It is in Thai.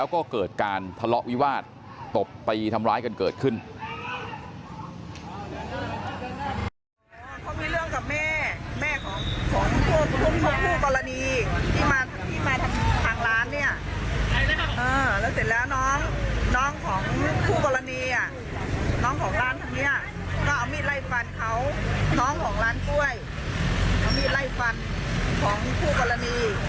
ก็เอามีดไล่ฟันเขาน้องของร้านกล้วยเอามีดไล่ฟันของผู้กรณี